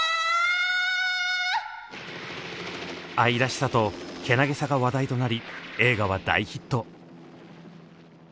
愛らしさとけなげさが話題となり映画は大ヒット。